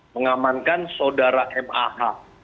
mengamankan saudara mah